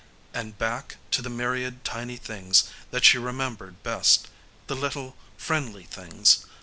And back to the myriad tiny things that she remembered best, the little, friendly things